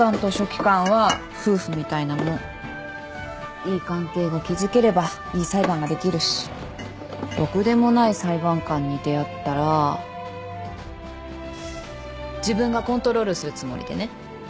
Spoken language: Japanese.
いい関係を築ければいい裁判ができるしろくでもない裁判官に出会ったら自分がコントロールするつもりでね。